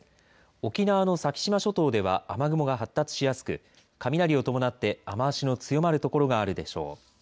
沖縄の先島諸島では雨雲が発達しやすく雷を伴って雨足の強まる所があるでしょう。